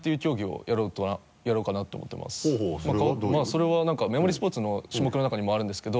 それはメモリースポーツの種目の中にもあるんですけど。